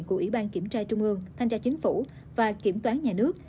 của ủy ban kiểm tra trung ương thanh tra chính phủ và kiểm toán nhà nước